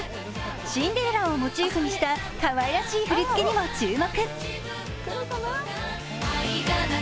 シンデレラをモチーフにしたかわいらしい振り付けにも注目。